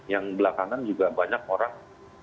yang belakangan juga banyak orang